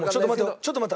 ちょっと待った！